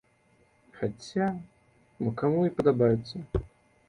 Хаця мо каму і падабаецца.